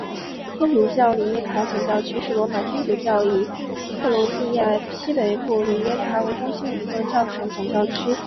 天主教里耶卡总教区是罗马天主教以克罗地亚西北部里耶卡为中心的一个教省总教区。